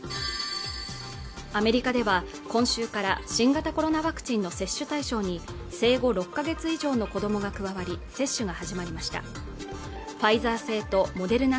アメリカでは今週から新型コロナワクチンの接種対象に生後６か月以上の子どもが加わり接種が始まりましたファイザー製とモデルナ